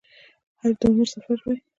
حج د عمر سفر دی